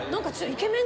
イケメン。